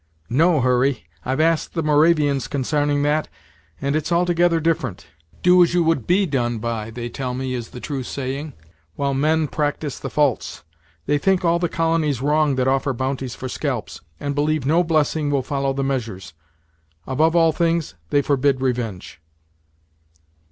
"No, Hurry, I've asked the Moravians consarning that; and it's altogether different. 'Do as you would be done by,' they tell me, is the true saying, while men practyse the false. They think all the colonies wrong that offer bounties for scalps, and believe no blessing will follow the measures. Above all things, they forbid revenge."